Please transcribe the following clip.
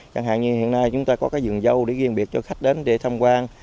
chẳng hạn như hiện nay chúng ta có cái giường dâu để ghiền biệt cho khách đến để thăm quan